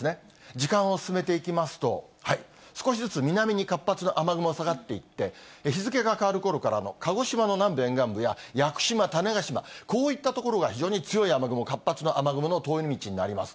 時間を進めていきますと、少しずつ南に活発な雨雲が下がっていって、日付が変わるころから、鹿児島の南部沿岸部や、屋久島、種子島、こういった所が非常に強い雨雲、活発な雨雲の通り道になります。